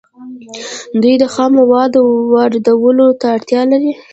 دوی د خامو موادو واردولو ته اړتیا لري